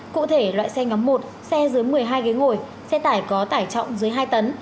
cụ thể loại xe nhóm một xe dưới một mươi hai ghế ngồi xe tải có tải trọng dưới hai tấn